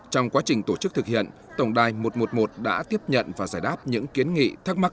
trong quá trình tổ chức thực hiện tổng đài một trăm một mươi một đã tiếp nhận và giải đáp những kiến nghị thắc mắc